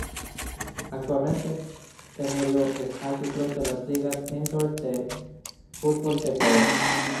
Actualmente, Tenorio es árbitro en las Ligas Indoor de Fútbol de Ecuador.